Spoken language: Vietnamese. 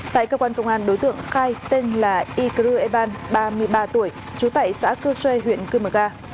tại cơ quan công an đối tượng khai tên là ygrueban ba mươi ba tuổi trú tại xã cơ xe huyện cơ mờ ga